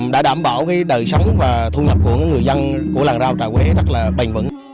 đã đảm bảo đời sống và thu nhập của người dân của làng rau trà quế rất là bền vững